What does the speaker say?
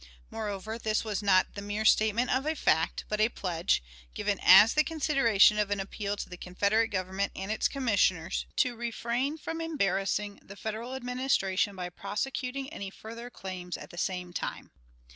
Moreover, this was not the mere statement of a fact, but a pledge, given as the consideration of an appeal to the Confederate Government and its Commissioners to refrain from embarrassing the Federal Administration by prosecuting any further claims at the same time.